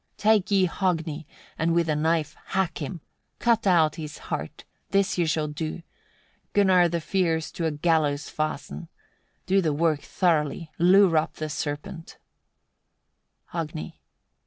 55. Take ye Hogni, and with a knife hack him: cut out his heart: this ye shall do. Gunnar the fierce of soul to a gallows fasten; do the work thoroughly, lure up the serpents. Hogni.